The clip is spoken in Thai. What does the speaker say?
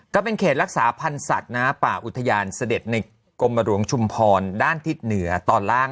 ก็เป็นเขตรักษาพันธ์สัตว์ป่าอุทยานเสด็จในกรมหลวงชุมพรด้านทิศเหนือตอนล่าง